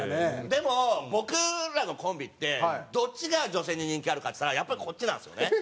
でも僕らのコンビってどっちが女性に人気あるかっていったらやっぱりこっちなんですよね。